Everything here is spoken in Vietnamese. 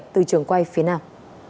từ trường quay phía nam